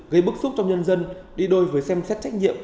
gây bức xúc trong nhân dân đi đôi với xem xét trách nhiệm